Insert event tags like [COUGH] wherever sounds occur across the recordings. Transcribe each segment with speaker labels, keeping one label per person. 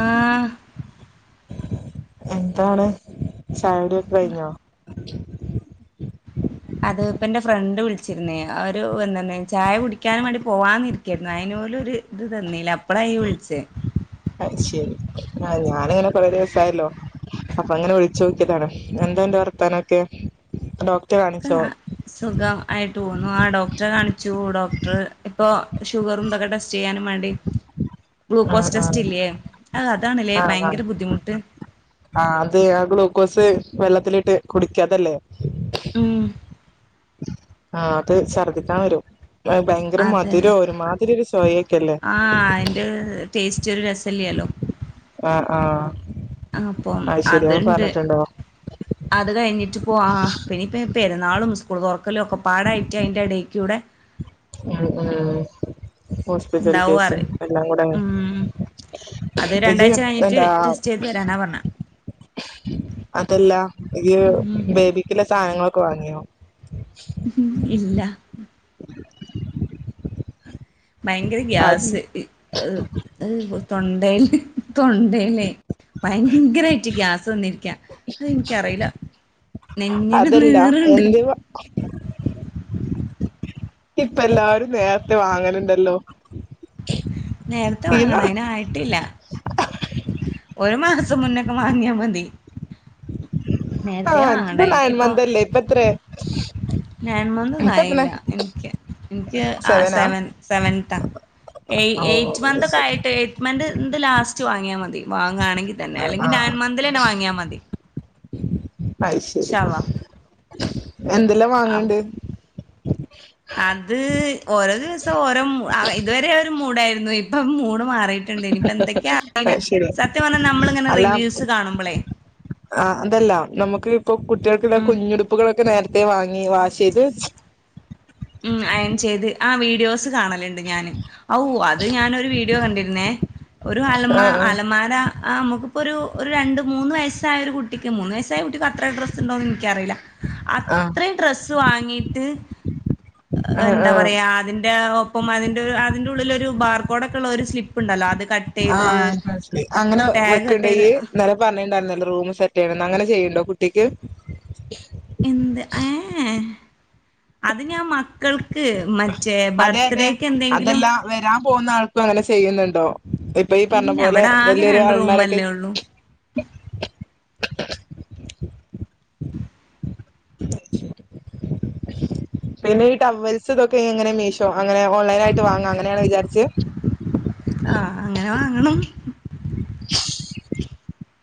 Speaker 1: ആഹ്
Speaker 2: എന്താണ് ചായ കുടിയൊക്കെ കഴിഞ്ഞോ
Speaker 1: അത് ഇപ്പ എന്റെ ഫ്രണ്ട് വിളിച്ചിരുന്നേ അവര് വന്നിട്ട്ണ്ടായിരുന്നു. ചായ കുടിക്കാൻ വേണ്ടി പോവാനി ഇരിക്കേരുന്നു, അയിനുപോലും ഒരു ഇത് തന്നില്ല, അപ്പളാ ഇയ്യ് വിളിച്ചേ
Speaker 2: അഹ് ശരി. ആഹ് ഞാനിങ്ങനെ കൊറെ ദിവസയല്ലോ അപ്പൊ അങ്ങനെ വിളിച്ചു നോക്കിയതാണ്. എന്താന്റെ വർത്താനൊക്കെ? ഡോക്ടറെ കാണിച്ചോ?
Speaker 1: സുഖം ആയിട്ട് പോകുന്നു. ആഹ് ഡോക്ടറെ കാണിച്ചു. ഡോക്ടർ ഇപ്പൊ ഷുഗറും ന്തൊക്കെയോ ടെസ് ചെയ്യാനും വേണ്ടി
Speaker 2: [INAUDIBLE]
Speaker 1: ഗ്ലൂക്കോസ്
Speaker 2: ആ
Speaker 1: ടെസ്റ്റ് ഇല്ലേ, ആഹ് അതാണല്ലേ ഭയങ്കര ബുദ്ധിമുട്ട്
Speaker 2: ആഹ് അത് ആ ഗ്ലൂക്കോസ് വെള്ളത്തിലിട്ട് കുടിക്ക അതല്ലേ
Speaker 1: ഉം
Speaker 2: ആഹ് അത് ഛർദ്ദിക്കാൻ വരും ഭയങ്കര
Speaker 1: അതെ അതെ
Speaker 2: മധുരം ഒരുമാതിരി ഒരു ചൊവയൊക്കെല്ലേ
Speaker 1: ആഹ് അയി ൻ്റെ ടേസ്റ്റ് ഒരു രസല്ലല്ലോ
Speaker 2: ആഹ് ആഹ്
Speaker 1: അപ്പം അതുണ്ട്, അത് കഴിഞ്ഞിട്ട് പോവാ പിന്നെ ഇപ്പോം പെരുന്നാളും സ്കൂൾ തുറക്കലൊക്കെ പാടായിട്ട് അതിൻ്റെ ഇടയ്ക്കൂടെ
Speaker 2: ആഹ് ആഹ് ഹോസ്പിറ്റൽ
Speaker 1: ഉണ്ടാവാറ്
Speaker 2: കേസും എല്ലാം കൂടെ
Speaker 1: ഉം
Speaker 2: ഇജ്ജ് എന്താ
Speaker 1: ന്ന് വരാനാ പറഞ്ഞെ
Speaker 2: അതല്ല ഇയ്
Speaker 1: ഉം
Speaker 2: ബേബിക്കുള്ള സാധനങ്ങളൊക്കെ വാങ്ങിയോ
Speaker 1: ഉം ഇല്ല
Speaker 2: [INAUDIBLE]
Speaker 1: ഭയങ്കര
Speaker 2: അത്
Speaker 1: ഗ്യാസ് തൊണ്ടെല് തൊണ്ടേലേ ഭയങ്കരായിട്ട് ഗ്യാസ് വന്നിരിക്കാ, അതെനിക്കറിയില്ല നെഞ്ഞിന്
Speaker 2: അതല്ല
Speaker 1: നീറുണ്ട്
Speaker 2: [INAUDIBLE] ഇപ്പ എല്ലാരും നേരത്തെ വാങ്ങലുണ്ടല്ലോ
Speaker 1: നേരത്തെ
Speaker 2: ഇന്ന്
Speaker 1: വാങ്ങണം അയിനായി ട്ടില്ല ഒരു മാസം മുന്നേയൊക്കെ വാങ്ങിയാ മതി. നേരത്തെ
Speaker 2: ആഹ്
Speaker 1: വാങ്ങണ്ട
Speaker 2: അന്നക്കിപ്പോ നയൻ
Speaker 1: എനിക്കിപ്പോ
Speaker 2: മന്തല്ലേ ഇപ്പമെത്രാ
Speaker 1: നയൻ മന്തോന്നുമായില്ല എനിക്ക് എനിക്ക് ആ
Speaker 2: സെവനാ
Speaker 1: സെവൻ സെവൻതാ ഏയ്
Speaker 2: ഓ
Speaker 1: എയ്റ്റ് മന്ത്
Speaker 2: അത്
Speaker 1: ഒക്കെ
Speaker 2: ശരി
Speaker 1: ആയിട്ട് മന്ത് എൻഡ് ലാസ്റ്റ് വാങ്ങിയാൽ മതി വാങ്ങാണെങ്കിൽ തന്നെ അല്ലെങ്കിൽ നയൻ മന്തിൽ തന്നെ വാങ്ങിയാൽ മതി.
Speaker 2: അയ് ശരി
Speaker 1: ഇൻഷാ അള്ളാ
Speaker 2: എന്തെല്ലാം വാങ്ങാനുണ്ട്
Speaker 1: അത് ഓരോ ദിവസം ഓരോ ഇതുവരെ ഒരു മൂടായിരുന്നു ഇപ്പം മൂട് മാറി ട്ടുണ്ട് ഇനിപ്പൊ എന്തൊക്യാ അറിയില്ല
Speaker 2: അത് ശരി
Speaker 1: സത്യം പറഞ്ഞാൽ നമ്മളിങ്ങനെ റിവ്യൂസ് കാണുമ്പളേ
Speaker 2: ആഹ് അതല്ല നമുക്ക് ഇപ്പൊ കുട്ടികൾക്കുള്ള
Speaker 1: ഉം
Speaker 2: കുഞ്ഞുടുപ്പുകളൊക്കെ നേരത്തെ വാങ്ങി വാഷ് ചെയ്ത്
Speaker 1: ഉം അയൺ ചെയ്ത് ആ വീഡിയോസ് കാണലു ഞാന് അത് ഞാന് ഒരു വീഡിയോ കണ്ടിരുന്നേ ഒരു
Speaker 2: ആ
Speaker 1: അൽമാ
Speaker 2: ആ
Speaker 1: അലമാര ആഹ് നമ്മക്ക് ഇപ്പൊരു ഒരു രണ്ട് മൂന്ന് വയസ്സായ ഒരു കുട്ടിക്ക് മൂന്ന് വയസായ കുട്ടിക്ക് അത്ര ഡ്രസ്സ്‌ ഉണ്ടോന്ന് എനിക്കറിയില്ല
Speaker 2: ആ
Speaker 1: അത്രയും ഡ്രസ്സ് വാങ്ങിയിട്ട്
Speaker 2: ആ
Speaker 1: എന്താ
Speaker 2: ആ
Speaker 1: പറയാ അതിന്റെ ഒപ്പം അതിന്റെ അതിന്റെ ഉള്ളിലൊരു ബാർകോടൊക്കോള്ളുരു സ്ലിപ്പ് ഉണ്ടല്ലോ അത് കട്ട്‌ ചെയ്ത്
Speaker 2: ആഹ്
Speaker 1: ഒക്കെ ടേഗ് കട്ട്‌ ചെയ്ത് ആ
Speaker 2: നി പറഞ്ഞിണ്ടായിരുന്നല്ലോ റൂം സെറ്റ് ചെയ്യണന്ന് അങ്ങനെ ചെയ്യുണ്ടോ കുട്ടിക്ക്
Speaker 1: എന്ത് ഏഹ് ഏഹ് അത് ഞാൻ മറന്ന് മക്കൾക്ക് മറ്റേ
Speaker 2: അതെ അതെ
Speaker 1: ബർത്ത്ഡേക്ക് എന്തെങ്കിലും
Speaker 2: അതല്ല വരാൻ പോകുന്ന ആൾക്കും അങ്ങനെ ചെയ്യുന്നുണ്ടോ ഇപ്പൊ ഈ പറഞ്ഞ
Speaker 1: ഇല്ല
Speaker 2: പോലെ
Speaker 1: അവിടെ ആകെ
Speaker 2: വലിയയൊരു
Speaker 1: രണ്ട് റൂമല്ലേ
Speaker 2: അലമാരക്കെച്ച്
Speaker 1: ഉള്ളൂ
Speaker 2: ശ [UNINTELLIGIBLE] പിന്നെ ഈ ടവ്വൽസ് ഇതൊക്കെ എങ്ങനെ മീഷോ അങ്ങനെ ഓൺലൈനായിട്ട് വാങ്ങാം അങ്ങനെയാണോ വിചാരിച്ചെ
Speaker 1: ആഹ് അങ്ങനെ വാങ്ങണം
Speaker 2: [UNINTELLIGIBLE]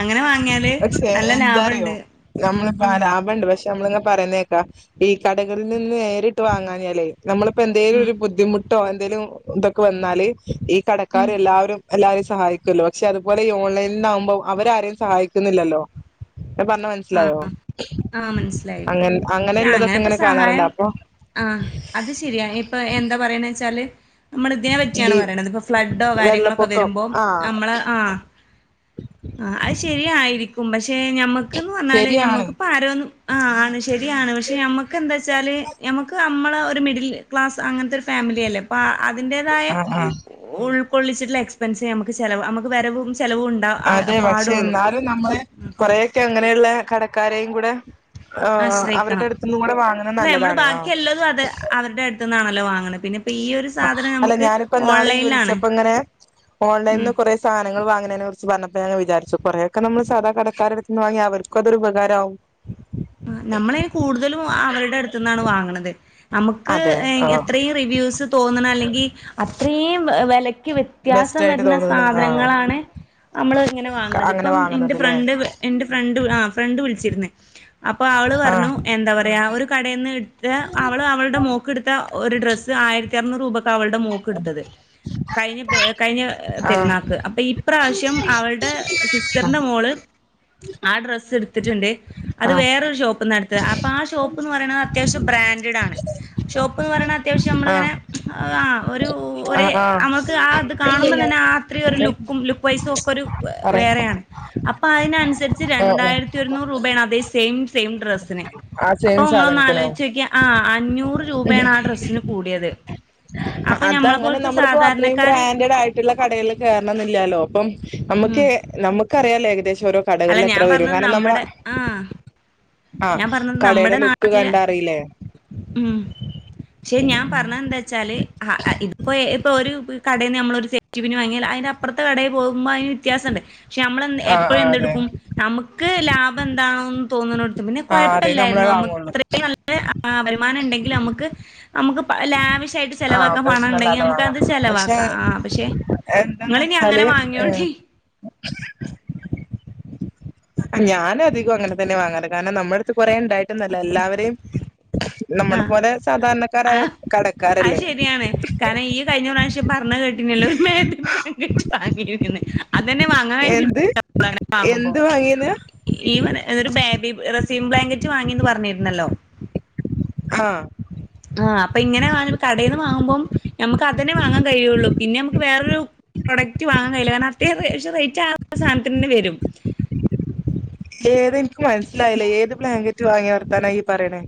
Speaker 1: അങ്ങനെ വാങ്ങിയാല്
Speaker 2: പക്ഷെ
Speaker 1: നല്ല
Speaker 2: എന്താ അറിയോ
Speaker 1: ലാഭമുണ്ട്
Speaker 2: നമ്മളിപ്പോ
Speaker 1: ഉം
Speaker 2: ആരാ ണ്ട് പക്ഷെ നമ്മളിങ്ങനെ പറയുന്നേ കേൾക്കാം ഈ കടകളിൽ നിന്ന് നേരിട്ട് വാങ്ങാഞാല്ലേ നമ്മളിപ്പോ എന്തേലും
Speaker 1: ഉം
Speaker 2: ഒരു ബുദ്ധിമുട്ടോ എന്തേലും ഇതൊക്കെ വന്നാല് ഈ
Speaker 1: ഉം
Speaker 2: കടക്കാര് എല്ലാവരും എല്ലാരെയും സഹായിക്കല്ലോ പക്ഷേ അതുപോല ഈ ഓൺലൈനിൽ നിന്നും ആക്കുമ്പോൾ അവരാരെയും സഹായിക്കുന്നില്ലല്ലോ ഞാൻ പറഞ്ഞത് മന
Speaker 1: ആ
Speaker 2: സിലായോ
Speaker 1: ആ മനസ്സിലായി
Speaker 2: അങ്ങ അങ്ങനെയുള്ളതൊക്കെ ഇങ്ങനെ കാണാറുണ്ട് അപ്പൊ
Speaker 1: ആഹ് അത് ശരിയാ ഇപ്പൊ എന്താ പറയാണേ വെച്ചാല് നമ്മൾ ഇതിനെ
Speaker 2: ഈ
Speaker 1: പറ്റിയാണ് പറയണത് ഇപ്പൊ ഫ്ലാഡോ കാര്യങ്ങളൊക്കെ
Speaker 2: വെള്ളപ്പൊക്കം
Speaker 1: വരുമ്പോ
Speaker 2: ആഹ്
Speaker 1: നമ്മള് ആഹ് ആഹ് അത് ശരിയായിരിക്കും പക്ഷെ ഞമ്മക്ക്ന്ന് പറഞ്ഞാല്
Speaker 2: ശരിയാണ്
Speaker 1: ഞമ്മക്കിപ്പം ആര് ആഹ് ആണ് ശരിയാണ് പക്ഷെ നമ്മക്ക് എന്താ വെച്ചാല് ഞമ്മക്ക് നമ്മളെ ഒരു മിഡിൽ ക്ലാസ് അങ്ങനത്തെ ഒരു ഫാമിലിയല്ലേ അപ്പ അതിന്റേതായ
Speaker 2: ആഹ് ആഹ്
Speaker 1: ഉൾക്കൊള്ളിച്ചിട്ടുള്ള എക്സ്പെൻസെ നമ്മക്ക് ചെല നമ്മക് വരവും ചെലവും ആ
Speaker 2: അതെ പക്ഷെ
Speaker 1: പാടുള്ളൂ
Speaker 2: എന്നാലും നമ്മളെ കൊറെയൊക്കെ അങ്ങനെയുള്ള കടക്കാരെയും കൂടെ ആഹ് അവരുടെ
Speaker 1: ആശ്രയിക്കണം
Speaker 2: അടുത്ത് നിന്നും കൂടെ വാങ്ങുന്നത് നല്ലതാണ് ആഹ്
Speaker 1: ടുത്തുന്നുന്നാണല്ലോ വാങ്ങന്നെ പിന്നെ ഇപ്പം ഈ ഒരു സാധനം
Speaker 2: അല്ല
Speaker 1: നമ്മക്ക്
Speaker 2: ഞാനിപ്പോ ഇന്നാള് ഈ
Speaker 1: ഓൺലൈനിലാണ്.
Speaker 2: വിളിച്ചപ്പോ ഇങ്ങനെ
Speaker 1: ഉം
Speaker 2: ഓൺലൈനിന്ന് കുറെ സാധനങ്ങൾ വാങ്ങണയിനെ കുറിച്ച് പറഞ്ഞപ്പോ ഞാൻ അങ്ങനെ വിചാരിച്ചു കുറേക്കെ നമ്മള് സാധാ കടക്കാരടുത്തുന്നു വാങ്ങിയ അവർക്കും അതൊരു ഉപകാരം ആവും ഉം [INAUDIBLE]
Speaker 1: നമ്മള് അയിന് കൂടുതലും അവരുടെ അടുത്ത് നിന്നാണ് വാങ്ങണത് നമുക്ക്
Speaker 2: അതെ ആഹ്
Speaker 1: എത്രയും റിവ്യൂസ്‌ തോന്നണ അല്ലെങ്കിൽ അത്രയും വെല ക്ക്
Speaker 2: ബെസ്റ്റ്
Speaker 1: വ്യത്യാസം
Speaker 2: ആയിട്ട്
Speaker 1: വരുന്ന
Speaker 2: തോന്നുന്നു ആഹ്
Speaker 1: സാധനങ്ങളാണ് നമ്മള് ഇങ്ങനെ വാങ്ങണത്
Speaker 2: അങ്ങനെ
Speaker 1: ഇപ്പം എന്റെ
Speaker 2: വാങ്ങുന്നത് ല്ലേ
Speaker 1: ഫ്രണ്ട് എന്റെ ഫ്രണ്ട് ആ ഫ്രണ്ട് വിളിച്ചിരുന്നെ അപ്പൊ അവള് പറഞ്ഞു
Speaker 2: ആഹ്
Speaker 1: എന്താ പറയാ ഒരു കടയെന്ന് ത്തെ അവള് അവളുടെ മോൾക്ക് എടുത്ത ഒരു ഡ്രസ്സ് ആയിരത്തി അറുന്നൂറ് രൂപയ്ക്ക് അവളുടെ മോൾ ക്ക് എടുത്തത് കഴിഞ്ഞ കഴിഞ്ഞ
Speaker 2: ആഹ്
Speaker 1: പെരുന്നാൾ ക്ക് അപ്പൊ ഈപ്രാവിശ്യം അവടെ സിസ്റ്ററിന്റെ മോള് ആ ഡ്രസ്സ് എടുത്തിട്ടുണ്ടേ അത്
Speaker 2: ആഹ്
Speaker 1: വേറൊരു ഷോപ്പിനാ എടുത്തത് അപ്പൊ ആ ഷോപ്പുന്നു പറയുന്നത് അത്യാവശ്യം ബ്രാൻഡടാണ് ഷോപ്പുന്ന് പറഞ്ഞ അത്യാവശ്യം നമ്മളിങ്ങനെ
Speaker 2: ആഹ്
Speaker 1: ആ ഒരു ഒേ
Speaker 2: ആഹ് ആഹ്
Speaker 1: നമ്മക്ക് ആത് കാണുമ്പ തന്നെ ആ അത്ര ഒരു ലുക്കും ലുക്ക് വൈസും ഒക്കെ ഒരു
Speaker 2: പറ
Speaker 1: വേറെ
Speaker 2: ആഹ്
Speaker 1: അപ്പ അയിനനുസരിച്
Speaker 2: ആഹ്
Speaker 1: രണ്ടായിരത്തി ഒരുന്നൂറ് രൂപയാണ് അത സെയിം സെയിം ഡ്രസിന്
Speaker 2: ആ സെയിം
Speaker 1: അപ്പൊങ്ങളൊന്ന്
Speaker 2: സാധനത്തിനോ
Speaker 1: ആലോചിച്ചോക്കിയ ആ അഞ്ഞൂറ് രൂപയാണ് ആ ഡ്രസ്സിന് കൂടിയത് അപ്പൊ
Speaker 2: അത
Speaker 1: ഞമ്മളെ
Speaker 2: അങ്ങനെ
Speaker 1: പോലത്തെ
Speaker 2: നമ്മളിപ്പോ അത്രയും
Speaker 1: സാധാരണക്കാര്
Speaker 2: ബ്രാൻഡഡ് ആയിട്ട് ട്ട്ള്ള കടകൾ കയറണന്നില്ലാലോ അപ്പം നമുക്ക്
Speaker 1: ഉം
Speaker 2: നമുക്കറിയാലോ ഏകദേശം ഓരോ
Speaker 1: അല്ല
Speaker 2: കടകളിൽ
Speaker 1: ഞാൻ
Speaker 2: എത്ര വരും
Speaker 1: പറഞ്ഞത്
Speaker 2: കാരണം നമ്മള
Speaker 1: നമ്മുടെ ആ
Speaker 2: ആഹ
Speaker 1: ഞാൻ പറഞ്ഞത്
Speaker 2: കടയുടെ
Speaker 1: നമ്മുടെ
Speaker 2: ലുക്ക്
Speaker 1: നാട്ടിലെ
Speaker 2: കണ്ടാറില്ലേ
Speaker 1: ഉം ക്ഷെ ഞാൻ പറഞ്ഞ എന്താച്ചാല് ഇപ്പോ ഇപ്പൊ ഒരു കടെന്ന് ഞമ്മള് ഒരു സേറ്റിവെന് വാങ്ങിയാൽ അയ്ന് അപ്പുറത്തെ കടയി പോകുമ്പ അയ്ന് വ്യത്യാസണ്ട് ക്ഷെ നമ്മൾ എ
Speaker 2: ആഹ്
Speaker 1: എപ്പോഴും
Speaker 2: ആഹ് അതെ
Speaker 1: എന്തെടുക്കും നമുക്ക് ലാഭം എന്താണോെന്ന് തോന്നണ പിന്നെ
Speaker 2: ആഹ് അതെ നമ്മളെ
Speaker 1: കുഴപ്പമല്ലായിരുന്നു നമ്മൾക്കു
Speaker 2: വാങ്ങുള്ളൂ
Speaker 1: അല്ല വരുമാനംണ്ടെങ്കില് നമുക്ക് നമുക്ക്ലാമിസ് ട്ട്
Speaker 2: ആഹ്
Speaker 1: ചെിലവാക്കാൻ പണണ്ടെങ്കിൽ
Speaker 2: പ്രശ്നല്ലാതെ
Speaker 1: നമുക്ക
Speaker 2: വാങ്ങാം
Speaker 1: അത്
Speaker 2: പക്ഷെ
Speaker 1: ചെലവാക്കാം ആ പക്ഷെ.
Speaker 2: എന്താന്ന്
Speaker 1: ങ്ങള്നി അങ്ങനെ
Speaker 2: വെച്ചാല് ഏഹ്
Speaker 1: വാങ്ങോണ്ടി
Speaker 2: [INAUDIBLE] ഞാന അധികം അങ്ങനെ തന്നെ വാങ്ങാറ് കാരണം നമ്മുടെ അടുത്ത് കൊറെ ഉണ്ടായിട്ടന്നല്ല എല്ലാവരെയും നമ്മളെ
Speaker 1: ആഹ്
Speaker 2: പോലെ
Speaker 1: ആ
Speaker 2: സാധാരണക്കാരായ
Speaker 1: അത്
Speaker 2: കടക്കാരല്ലേ
Speaker 1: ശരിയാണ്. കാരണം ഇയ്യ് കഴിഞ്ഞ പ്രാവശ്യം പറഞ്ഞ കേട്ടില്ലോ മേ കെട്ടി വാങ്ങിന്ന് അതന്നെ നെ
Speaker 2: എന്ത്
Speaker 1: വാങ്ങുമ്പോ
Speaker 2: എന്ത് വാങ്ങീന്ന്
Speaker 1: [UNINTELLIGIBLE] ഈ ഇതൊരു ബാബി റെസീം ബ്ലാങ്കറ്റ് വാങ്ങിന്ന് പറഞ്ഞിരുന്നല്ലോ
Speaker 2: ആഹ
Speaker 1: ആഹ് അപ്പ ഇങ്ങനെ വാ കടയിൽന്ന് വാങ്ങുമ്പം നമുക്ക് അത് തന്നെ വാങ്ങാൻ കഴിയുള്ളു പിന്നെ നമുക്ക് വേറൊരു പ്രൊഡക്റ്റ് വാങ്ങാൻ കഴയില്ല. കാരണം അത്യാംക്ഷ റേറ്റ് ആറ് സധനത്തിന്ന്നെ വരും
Speaker 2: ഏതക്ക് മനസ്സിലായില്ല ഏത് ബ്ലാങ്കറ്റ് വാങ്ങി വർത്താനാ ഈ പറയണേ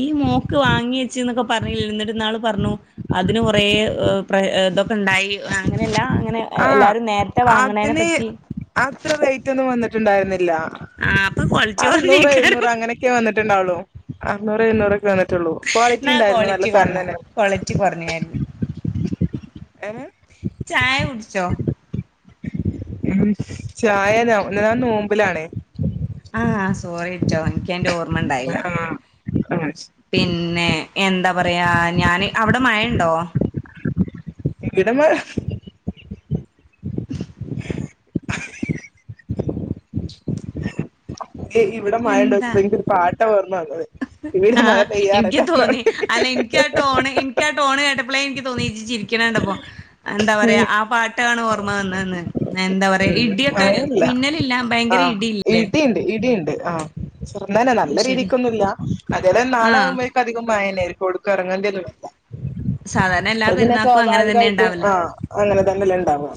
Speaker 1: ഈ മോക്ക് വാങ്ങി വച്ച എന്നൊക്കെ പറഞ്ഞില്ല എന്നിട്ട്ന്നാള് പറഞ്ഞു അതിന് കൊറെ പ്ര ഇതൊക്കെ ഉണ്ടായി അങ്ങനെയല്ല അങ്ങനെ
Speaker 2: ആഹ്
Speaker 1: എല്ലാരും നേരത്തെ വാങ്ങണെ പറ്റി
Speaker 2: ഇത്ര റേറ്റൊന്നും വന്നിട്ടുണ്ടായിരുന്നില്ല
Speaker 1: ആ അപ്പൊ കൊറച്ച പറഞ്ഞേക്കാരും
Speaker 2: ഒ വന്നിട്ടുണ്ടാവുള്ളു അറുന്നൂറ് എഴുന്നൂറൊക്കെ വന്നിട്ടുള്ളൂക്ളിറ്റി
Speaker 1: എന്നാ
Speaker 2: ഉണ്ടായിരുന്നു നല്ല
Speaker 1: ക്വാളിറ്റി
Speaker 2: സാധനം
Speaker 1: കുറഞ്ഞ
Speaker 2: തന്നെ
Speaker 1: ക്വാളിറ്റി കുറഞ്ഞായിരുന്നു
Speaker 2: ഏഹ്
Speaker 1: ചായ കുടിച്ചോ
Speaker 2: ഉം ചായ ഞ്ഞ നോമ്പിലാണേ
Speaker 1: ആഹ് സോറി ഇറ്റോ ഇ നിക്കയ് ന്റെ ഓർമ ഇണ്ടായില്ല
Speaker 2: ആഹ് ആഹ്
Speaker 1: പിന്നെ എന്താ പറയാ ഞാന് അവിടെ മഴയുണ്ടോ
Speaker 2: ഇടമ്മ
Speaker 1: [UNINTELLIGIBLE]
Speaker 2: [INAUDIBLE] ഏ ഇവിടെ മായേണ്ട വച്ചപ്പോ എനിക് പാട്ട ഓർമന്നേ
Speaker 1: ആഹ് എനിക്ക് തോന്നി അല്ല എനിക്ക് ആ ടോണ് എനിക്ക് ആ ടോണ കേട്ട എനിക്ക് തോന്നി ചിരിക്കണണ്ടപ്പൊ എന്താ പറയാ
Speaker 2: ഉം
Speaker 1: ആ പാട്ടാണ് ഓർമ്മ വന്നതന്ന് എന്താ പറയാ
Speaker 2: ഉം
Speaker 1: ഇടിയൊക്കെ
Speaker 2: മഴല്ല
Speaker 1: മിന്നലില്ല ഭയങ്കര
Speaker 2: ആഹ്
Speaker 1: ഇടില്ലേ
Speaker 2: ഇടിണ്ട് ഇടിണ്ട് ആ ചെറന്നനെ നല്ല
Speaker 1: ശരി
Speaker 2: രീതിക്കൊന്നുമ ഇല്ല അതത്
Speaker 1: ആ
Speaker 2: നാളെ ആകുമ്പ അധികം വായന കൊടുക്ക ഇറങ്ങേതല്ലും വല്ല
Speaker 1: സാധാരണ എല്ലാ
Speaker 2: അത് പിന്നെ
Speaker 1: പെരുന്നാൾക്കും അങ്ങനെ തന്നെ
Speaker 2: സ്വാഭാവികമായിട്ടും
Speaker 1: ഉണ്ടാവല്ലേ
Speaker 2: ആഹ അങ്ങനെ തന്നെല്ലാം ഉണ്ടാവും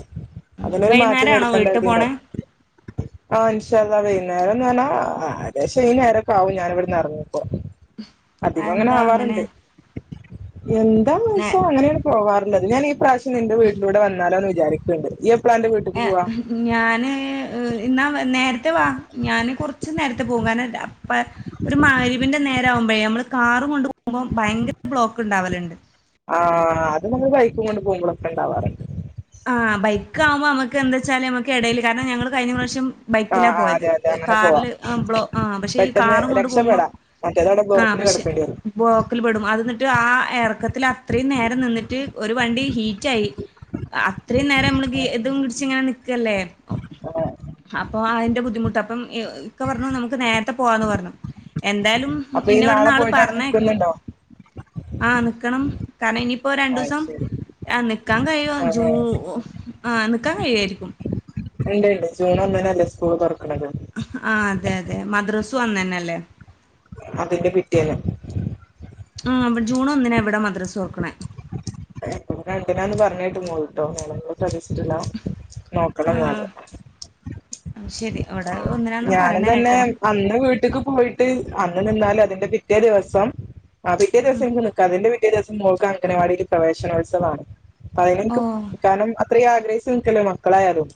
Speaker 2: അതിനൊരു മാറ്റം
Speaker 1: വൈന്നേരാണോ വീട്ട്
Speaker 2: വരുത്തേണ്ടായിരിക്കനോ
Speaker 1: പോണേ
Speaker 2: ആ ഇൻ ഷാല്ലാ വൈന്നേരം എന്ന് പറാഏദേശം ഈ നേരൊക്കെ ആകും ഞാൻ ഇവിടുന്ന് ഇറങ്ങക്ക അധികം അങ്ങനെ ആവാറുണ്ട് എന്താ
Speaker 1: നേ
Speaker 2: അങ്ങനെയാണ് പോവാറുള്ളത് ഞാൻ ഈ പ്രാവശ്യം നിന്റെ വീട്ടിലൂടെ വന്നാലോ എന്ന് വിചാരിക്ക്‌ണ്ട് യ്യ് എപ്പളാന്റെ വീട്ട്ക്ക്
Speaker 1: ഏ
Speaker 2: പോവാ
Speaker 1: ഞാന് ഇന്നാ നേരത്തെ വാ ഞാന് കുറച്ച് നേരത്തെ പോകും കാരണം അ പ്പം ഒരു മഗ്‌രിബിന്റെ നേരം ആകുമ്പോഴെ നമ്മള് കാർ കൊണ്ട് പോകുമ്പോൾ ഭയങ്കര ബ്ലോക്ക് ഉണ്ടാവലുണ്ട്
Speaker 2: ആഹ് അത് നമ്മൾ ബൈക്കും കൊണ്ട് പോകുമ്പൊളൊക്കെ ഉണ്ടാവാർണ്ട്
Speaker 1: ആഹ് ബൈക്ക് ആവുമ്പോ നമുക്ക് എന്താച്ചാല് നമക്ക് ഇടയിൽ കാരണം ഞങ്ങൾ കഴിഞ്ഞ പ്രാവശ്യം
Speaker 2: ആ
Speaker 1: ബൈക്കിലാ
Speaker 2: ആ
Speaker 1: പോയത്
Speaker 2: അതെ അതെ അങ്ങനെ
Speaker 1: കാറിൽ ആ ബ്ലോ ആ പക്ഷെ ഈ കാറും കൊണ്ട് പോകുമ്പോ
Speaker 2: രക്ഷപ്പെടാ മറ്റേതവിടെ
Speaker 1: ആഹ്
Speaker 2: ബ്ലോക്കിൽ
Speaker 1: പക്ഷെ
Speaker 2: കെടക്കേണ്ടി വരും
Speaker 1: ബ്ലോക്കിൽ പെടും അത് ന്നിട്ട് ആഹ് ഇറക്കത്തിൽ അത്രയും നേരം നിന്നിട്ട് ഒരു വണ്ടി ഹീറ്റ് ആയി അത്രയും നേരം ഗീ നമ്മള്തും പിടിച്ച് ഇങ്ങനെ നിക്കല്ലേ
Speaker 2: ആ.
Speaker 1: അപ്പൊ അതിന്റെ ബുദ്ധിമുട്ട് അപ്പം ഇക്ക പറഞ്ഞു നമുക്ക് നേരത്തെ പോവാന്ന് പറഞ്ഞു എന്തായാലും
Speaker 2: അപ്പൊ ഈ
Speaker 1: ഇന്നെ
Speaker 2: നാളെ
Speaker 1: ഇവിടന്നാള്
Speaker 2: പോയിട്ട് അവിടെ
Speaker 1: പറഞ്ഞേക്കും
Speaker 2: നിൽക്കുന്നുണ്ടോ
Speaker 1: ആഹ് നിക്കണം കാരണം ഇനിപ്പോ രണ്ടു
Speaker 2: ആ
Speaker 1: ദിവസം
Speaker 2: ശരി
Speaker 1: ആഹ് നിക്കാൻ കഴിയോ
Speaker 2: ആ ആ.
Speaker 1: ആഹ് നിക്കാൻ കഴിയായിരിക്കും
Speaker 2: ഉണ്ട് ഉണ്ട് ജൂൺ ഒന്നിനല്ലേ സ്കൂൾ തുറക്ക്‌ണത്
Speaker 1: ആഹ് അതെ അതെ മദ്രസ്സും അന്ന് തന്നെല്ലേ
Speaker 2: അതിന്റെ പിറ്റേന്ന്
Speaker 1: ആഹ് ഇവി ജൂൺ ഒന്നിനാ ഇവിടെ മദ്രസ് തൊർക്ക്‌ണ
Speaker 2: രണ്ടിലാന്ന് പറഞ്ണ്ട് മോൾ ട്ടൊ ഞാൻ അങ്ങനെ ശ്രദ്ധിച്ചിട്ടില്ല നോ
Speaker 1: ആഹ് ശരി ഇവിടെ ഒന്നിനാന്നാ
Speaker 2: ഞാനും
Speaker 1: പറയണ
Speaker 2: തന്നെ
Speaker 1: കേട്ടെ.
Speaker 2: അന്ന് വീട്ട്ക്ക് പോയിട്ട് അന്ന് നിന്നാലും അതിന്റെ പിറ്റേ ദിവസം ആ പിറ്റേ ദിവസം
Speaker 1: ഉം
Speaker 2: ഇന്ക് നി ക്ക അതിന്റെ പിറ്റേ ദിവസം മോൾക്ക് അങ്കനവാടിയിൽ പ്രവേശനോത്സവമാണ് അപ്പോ
Speaker 1: ഓ
Speaker 2: അതിനെനിക്ക് നിക്കാനും അത്രീം ആഗ്രഹിച്ചു നിക്കല്ലോ മക്കളായാലും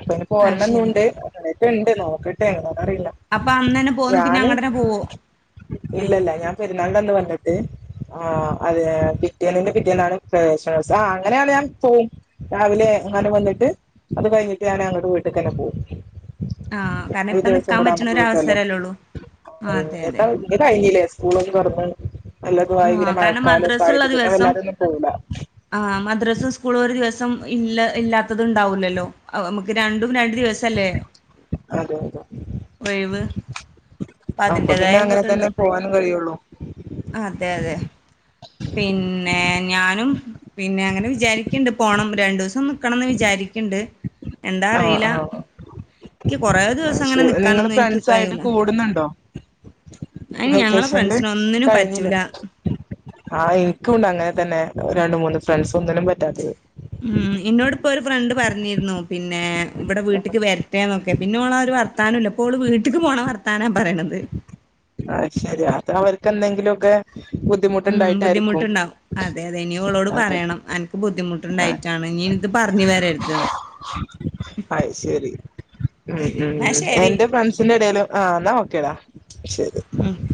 Speaker 2: അപ്പം അയിന്
Speaker 1: അത് ശരി.
Speaker 2: പോരണന്നുണ്ട് ഉണ്ട് നോക്കട്ടെ എങ്ങന അറിയില്ല
Speaker 1: അപ്പൊ അന്ന്ന്നെ പോന്ന് പിന്നെ
Speaker 2: ഞാന്
Speaker 1: അങ്ങട്ട്ന്നെ പോവോ
Speaker 2: ഇല്ലല്ല ഞാൻ പെരുന്നാളിന്റന്ന് വന്നിട്ട് ആഹ് അതെ പിറ്റേന്ന്ന്റെ പിറ്റേന്നാണ് പ്രവേശനോത്സ ആഹ് അങ്ങനെയാണ് ഞാൻ പോകും രാവിലെ അങ്ങനെ വന്നിട്ട് അത് കഴിഞ്ഞിട്ട് ഞാൻ അങ്ങട്ട് വീട്ടക്ക്എന്നെ പോവും
Speaker 1: ആ കാരണം
Speaker 2: എപ്പഴും
Speaker 1: ഇപ്പ
Speaker 2: ദിവസം
Speaker 1: നിക്കാൻ
Speaker 2: കൂടാം
Speaker 1: പറ്റണ
Speaker 2: നമുക്ക്
Speaker 1: ഒരു
Speaker 2: ബുദ്ധിമുട്ടല്ലെ
Speaker 1: അവസരല്ലേ ഉള്ളൂ. ആ അതെ അതെ.
Speaker 2: ഇഞ് കഴിഞ്ഞിലെ സ്കൂളൊക്കെ തുറന്ന് നല്ലതു
Speaker 1: ആ
Speaker 2: ആയി പിന്നെ
Speaker 1: കാരണം
Speaker 2: മഴക്കാലൊക്ക
Speaker 1: മദ്രസ ഉള്ള
Speaker 2: ആയിട്ട് പിന്നെ
Speaker 1: ദിവസം
Speaker 2: വല്ലാതൊന്നും പോവൂല
Speaker 1: ആഹ് മദ്രസും സ്കൂളും ഒരു ദിവസം ഇല്ല ഇല്ലാത്തത് ഉണ്ടാവൂല ല്ലോ അഅ് നമുക്ക് രണ്ടും രണ്ടു ദിവസല്ലേ
Speaker 2: അതെ അതെ
Speaker 1: ഒഴിവ് അപ്പൊ അതിന്റതായ ബു ഇത്ണ്ടാവും
Speaker 2: പോകാനും കഴിയൊള്ളൂ
Speaker 1: അതെ അതെ പിന്നെ ഞാനും പിന്നെ അങ്ങനെ വിചാരിക്ക്‌ണ്ട് പോണം രണ്ടു ദിവസം നക്കണംന്ന് വിചാരിക്ക്‌ണ്ട് എന്താ
Speaker 2: ആഹ്
Speaker 1: അറിയില്ല
Speaker 2: ആഹ്
Speaker 1: എനിക്ക് കൊറേ
Speaker 2: അത്
Speaker 1: ദിവസം അങ്ങനെ
Speaker 2: ശരി നിങ്ങള്
Speaker 1: നിക്കാനൊന്നും എനിക്ക്
Speaker 2: ഫ്രണ്ട്സ്
Speaker 1: നിക്കാൻ
Speaker 2: ആയിട്ട്
Speaker 1: കഴിയൂല
Speaker 2: കൂടുന്നുണ്ടോ ഈ
Speaker 1: അയിന് ഞങ്ങളെ
Speaker 2: വെക്കേഷനില്
Speaker 1: ഫ്രണ്ട്സിനെ ഒന്നിനും
Speaker 2: കഴിഞ്ഞില്ലേ
Speaker 1: പറ്റൂല
Speaker 2: ആഹ് എനിക്കുംണ്ട് അങ്ങനെ തന്നെ രണ്ട് മൂന്ന് ഫ്രണ്ട്സ് ഒന്നിനും പറ്റാത്തത്
Speaker 1: ഉം ഇന്നോട്പ്പോ ഒരു ഫ്രണ്ട് പറഞ്ഞിരുന്നു പിന്നെ ഇവിടെ വീട്ട്ക്ക് വരട്ടെന്നൊക്കെ പിന്നെ ഓളെ ഒരു വർ ർത്താനുല്ല ഇപ്പോൾ വീട്ടിക്ക് പോണ വർത്താനാ പറയ്ണത്
Speaker 2: അഅ്ശരി അത് അവർക്കെന്തെങ്കിലുമക്കെ ബുദ്ധി
Speaker 1: ഉം ബുദ്ധിമുട്ടുണ്ടാവും അതെ അതെ ഇനി അവളോട്
Speaker 2: അതെ
Speaker 1: പറയണം അൻ ക്ക്‌
Speaker 2: ആഹ്
Speaker 1: ബുദ്ധിമുട്ടുണ്ടായിട്ടാണ് ഇഞ് ഇത് പറഞ് വരരുത് എന്ന്
Speaker 2: അത് ശരി ഉം ഉം
Speaker 1: ന്നാ ശരി.
Speaker 2: എന്റെ ഫ്രണ്ട്സിന്റെ ഇടെലും ആഹ് ന്നാ ഒക്കെടാ ശരി
Speaker 1: ഉം